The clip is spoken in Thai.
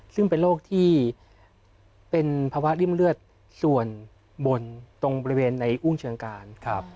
ซึ่งเป็นโรคที่เป็นภาวะริ่มเลือดส่วนบนตรงบริเวณในอุ้งเชิงการ